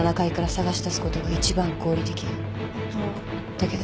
だけど。